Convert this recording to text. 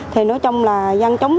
thì nói chung là dân chống